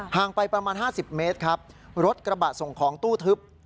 งไปประมาณ๕๐เมตรครับรถกระบะส่งของตู้ทึบ